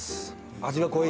味が濃い。